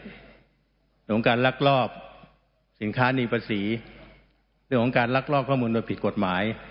เรื่องของการลักลอบสินค้านีภาษีเรื่องของการลักลอบข้อมูลโดยผิดกฎหมาย